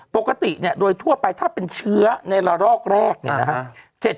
ปกติเนี่ยโดยทั่วไปถ้าเป็นเชื้อในระลอกแรกเนี่ยนะฮะ